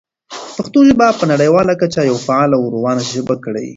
پښتو ژبه په نړیواله کچه یوه فعاله او روانه ژبه کړئ.